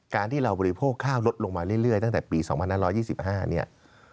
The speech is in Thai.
การที่เราบริโภคข้าวลดลงมาเรื่อยตั้งแต่ปี๒๕๒๕เนี่ย